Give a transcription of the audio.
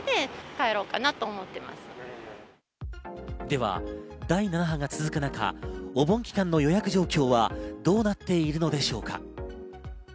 では、第７波が続く中、お盆期間の予約状況はどうなっているのでしょうか？